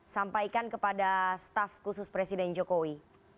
sampaikan kepada staff khusus presiden jokowi